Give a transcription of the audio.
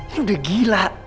ini udah gila